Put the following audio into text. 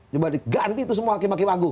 coba diganti itu semua hakim hakim agung